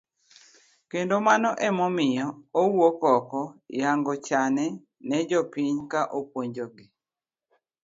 Kendo mano ema omiyo owuok oko yango chane ne jopiny ka opuonjogi.